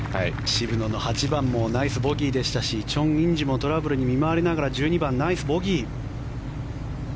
渋野の８番もナイスボギーでしたしチョン・インジもトラブルに見舞われながら１２番、ナイスボギー。